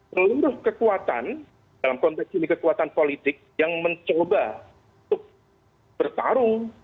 seluruh kekuatan dalam konteks ini kekuatan politik yang mencoba untuk bertarung